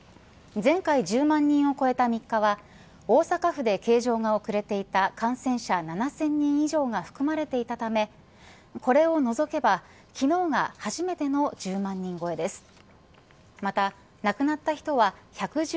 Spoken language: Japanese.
前回１０万人を超えた３日は大阪府で計上が遅れていた感染者７０００人以上が含まれていたためこれを除けば昨日が初めての１０万人超えです。